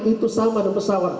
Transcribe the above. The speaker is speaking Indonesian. itu saat ada pesawat pak